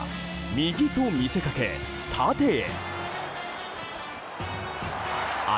右と見せかけ縦へ。